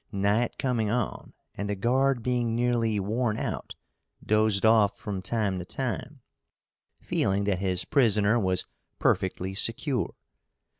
Night coming on, and the guard being nearly worn out, dozed off from time to time, feeling that his prisoner was perfectly secure.